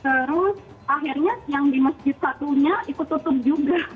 terus akhirnya yang di masjid satunya ikut tutup juga